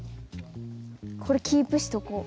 これキープしとこう。